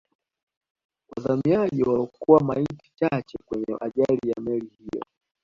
wazamiaji waliokoa maiti chache kwenye ajali ya meli hiyo